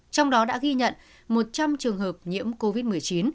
trong đó đã ghi nhận một trăm linh trường hợp nhiễm covid một mươi chín